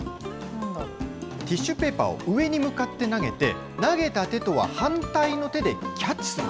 ティッシュペーパーを上に向かって投げて、投げた手とは反対の手でキャッチする。